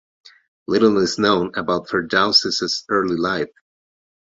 Little is known about Ferdowsi's early life.